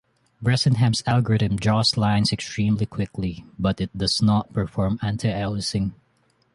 Bresenham's algorithm draws lines extremely quickly, but it does not perform anti-aliasing.